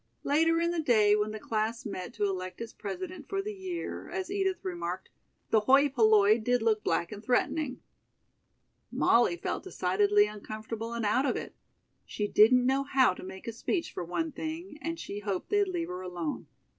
Later in the day when the class met to elect its president for the year, as Edith remarked: "The hoi polloi did look black and threatening." Molly felt decidedly uncomfortable and out of it. She didn't know how to make a speech for one thing and she hoped they'd leave her alone.